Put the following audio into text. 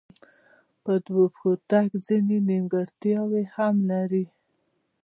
په دوو پښو تګ ځینې نیمګړتیاوې هم لري.